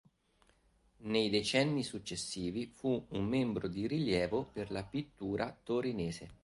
Nei decenni successivi fu un membro di rilievo per la pittura torinese.